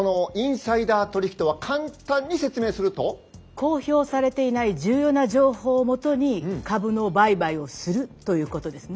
公表されていない重要な情報をもとに株の売買をするということですね。